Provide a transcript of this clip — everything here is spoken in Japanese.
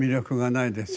ないです。